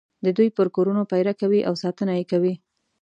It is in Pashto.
د دوی پر کورونو پېره کوي او ساتنه یې کوي.